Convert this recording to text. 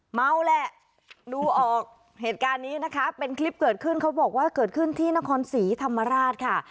เมาแหละดูออกเหตุการณ์นี้นะคะเป็นคลิปเกิดขึ้นเขาบอกว่าเกิดขึ้นที่นครศรีธรรมราชค่ะ